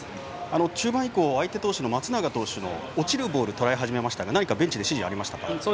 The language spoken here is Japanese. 中盤以降相手投手の松永投手の落ちるボールをとらえ始めましたがベンチで指示はありましたか？